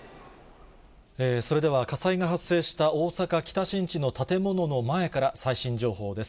それでは、火災が発生した大阪・北新地の建物の前から最新情報です。